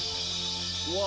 「うわ！」